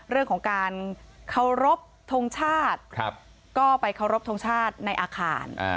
เรื่องของการเคารพทงชาติก็ไปเคารพทงชาติในอาคาร